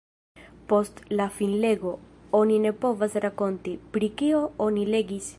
Post la finlego, oni ne povas rakonti, pri kio oni legis.